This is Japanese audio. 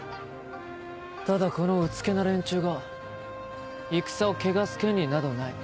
ただこのうつけな連中が戦を汚す権利などない。